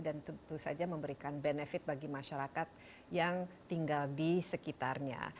dan tentu saja memberikan benefit bagi masyarakat yang tinggal di sekitarnya